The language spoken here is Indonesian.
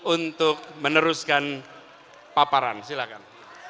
untuk meneruskan paparan silahkan